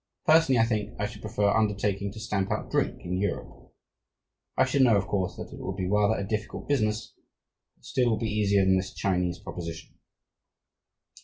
Personally, I think I should prefer undertaking to stamp out drink in Europe. I should know, of course, that it would be rather a difficult business, but still it would be easier than this Chinese proposition.